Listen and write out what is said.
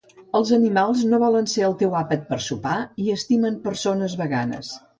Els animals no volen ser el teu àpat per sopar i estimen persones veganes